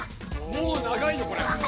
もう長いのこれ。